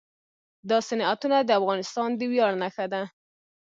دا صنعتونه د افغانستان د ویاړ نښه ده.